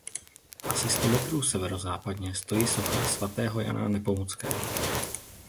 Asi sto metrů severozápadně stojí socha svatého Jana Nepomuckého.